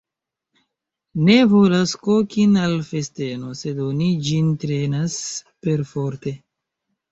Ne volas kokin' al festeno, sed oni ĝin trenas perforte.